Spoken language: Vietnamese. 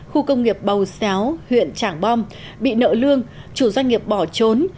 khu công nghiệp bầu xéo huyện trảng bom bị nợ lương chủ doanh nghiệp bỏ trốn